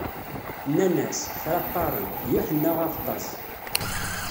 Nnan-as: Kra qqaren: d Yuḥenna Aɣeṭṭaṣ.